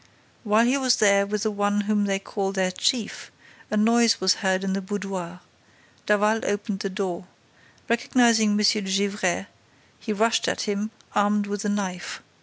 While he was there with the one whom they call their chief, a noise was heard in the boudoir. Daval opened the door. Recognizing M. de Gesvres, he rushed at him, armed with the knife. M.